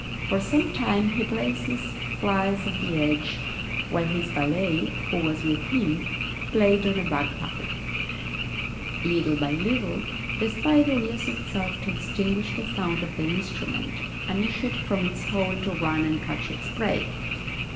For some time he placed his flies at the edge, while his valet, who was with him, played on a bagpipe: little by little, the spider used itself to distinguish the sound of the instrument, and issued from its hole to run and catch its prey.